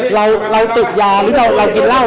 เราติดยาหรือเรากินเหล้า